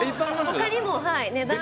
他にもはい値段。